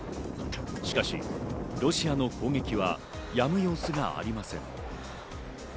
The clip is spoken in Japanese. しかし、ロシアの攻撃はやむ様子がありません。